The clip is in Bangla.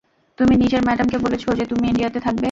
তুমি নিজের ম্যাডামকে বলেছ যে তুমি ইন্ডিয়াতে থাকবে।